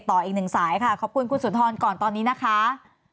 ต่ออีกหนึ่งสายค่ะขอบคุณคุณสุนทรก่อนตอนนี้นะคะ